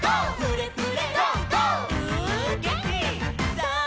さあ